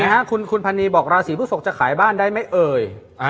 คุณพันนีบอกราศีพฤศกจะขายบ้านได้ไหมเอ่ย